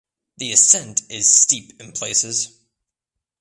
The ascent is steep in places.